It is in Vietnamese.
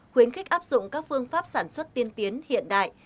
khuyến khích áp dụng các phương pháp sản xuất tiên tiến hiện đại